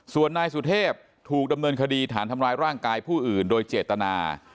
ส่วนนายสุเทพถูกดำเนินคดีฐานทำร้ายร่างกายผู้อื่นโดยเจตนา